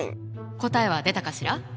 答えは出たかしら？